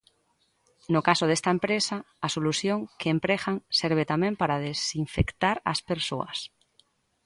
No caso desta empresa, a solución que empregan serve tamén para desinfectar as persoas.